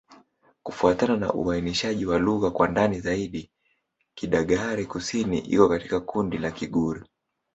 Kufuatana na uainishaji wa lugha kwa ndani zaidi, Kidagaare-Kusini iko katika kundi la Kigur.